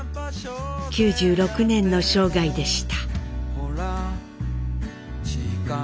９６年の生涯でした。